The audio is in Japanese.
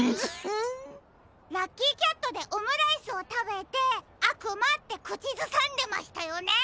ラッキーキャットでオムライスをたべて「あくま」ってくちずさんでましたよね？